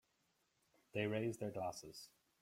They raise their glasses.